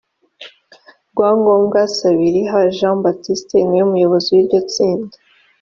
rwangombwa sabihira j baptiste niwe muyobozi w iryo tsinda